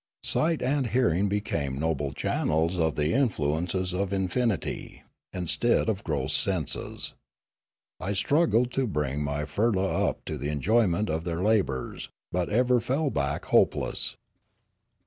Sight and hearing became noble channels of the in fluences of infinity, instead of gross senses. I strug gled to bring my firla up to the enjoyment of their labours, but ever fell back hopeless.